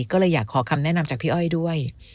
ก็เลยอยากขอคำแนะนำจากพี่อ้อยด้วย